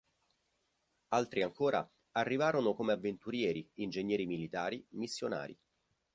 Altri ancora arrivarono come avventurieri, ingegneri militari, missionari.